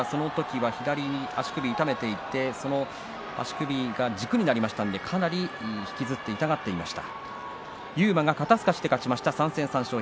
足首を痛めていて足首が軸になりましたんでかなり足を引きずって痛がっていました。